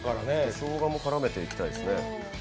しょうがも絡めていきたていですね。